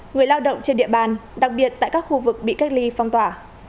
người lao động trên địa bàn đặc biệt tại các khu vực bị cách ly phong tỏa